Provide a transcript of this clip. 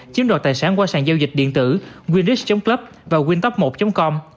chiếm đoạt tài sản qua sàn giao dịch điện tử windix club và windtop một com